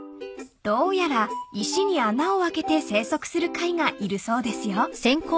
［どうやら石に穴を開けて生息する貝がいるそうですよ］